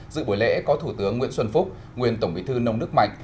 dự buổi lễ có thủ tướng nguyễn xuân phúc nguyên tổng bí thư nông đức mạnh